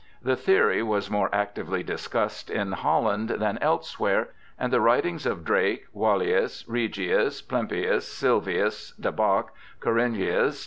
The theory was more actively discussed in Holland than else where; and the writings of Drake, Walaeus, Regius, Plempius, Sylvius, de Bach, Conringius, T.